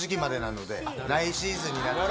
来シーズンになっちゃう。